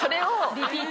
リピート。